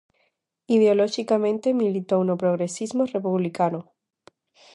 Ideoloxicamente militou no progresismo republicano.